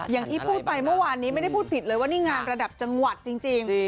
อย่างที่พูดไปเมื่อวานนี้ไม่ได้พูดผิดเลยว่านี่งานระดับจังหวัดจริง